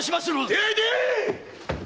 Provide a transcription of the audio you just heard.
出会え出会え！